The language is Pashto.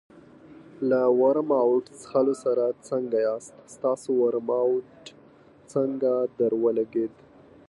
له ورماوټ څښلو سره څنګه یاست؟ ستاسو ورماوټ څنګه درولګېد؟